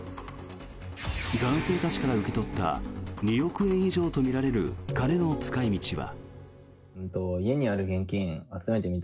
男性たちから受け取った２億円以上とみられる金の使い道は。